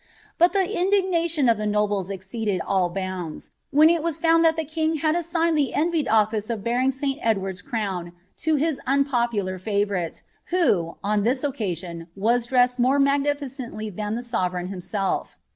But the indignation of the iceeded all bounds, when it was found that the king had assigned id office of bearing St Edward's crown to his unpopular fa irho, on this occasion, was dressed more magnificently than the I himself.